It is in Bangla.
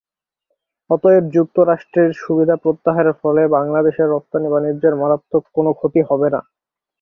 অতএব যুক্তরাষ্ট্রের সুবিধা প্রত্যাহারের ফলে বাংলাদেশের রপ্তানি বাণিজ্যের মারাত্মক কোনো ক্ষতি হবে না।